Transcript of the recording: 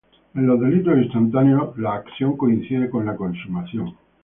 En los delitos instantáneos la acción coincide con la consumación.